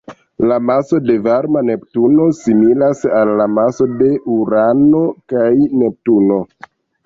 La maso de varma Neptuno similas al la maso de Urano kaj Neptuno.